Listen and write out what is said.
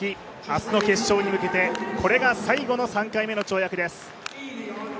明日の決勝に向けて、これが最後の３回目の跳躍です。